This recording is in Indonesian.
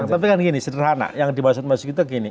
tapi kan gini sederhana yang dibahas dan dimaksud kita gini